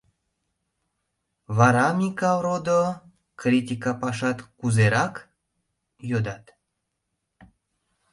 — Вара, Микал родо, критика пашат кузерак? — йодат.